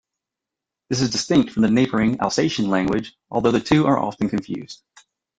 This is distinct from the neighbouring Alsatian language, although the two are often confused.